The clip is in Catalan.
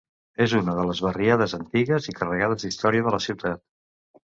És una de les barriades antigues i carregades d'història de la ciutat.